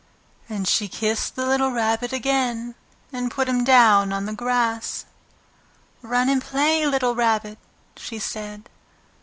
And she kissed the little Rabbit again and put him down on the grass. "Run and play, little Rabbit!" she said.